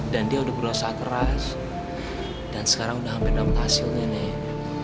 dan dia udah berusaha keras dan sekarang udah hampir enam tahun hasilnya nek